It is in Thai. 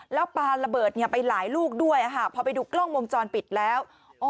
แล้วปลาระเบิดไปหลายลูกด้วยพอไปดูกล้องวงจรปิดแล้ว